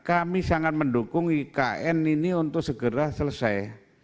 kami sangat mendukung ikn ini untuk segera selesai